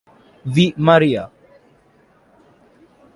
V. Maria.